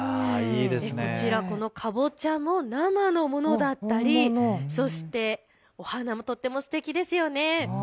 こちら、このかぼちゃも生のものだったりお花もとってもすてきですよね。